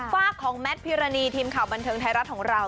ฝากของแมทพิรณีทีมข่าวบันเทิงไทยรัฐของเรา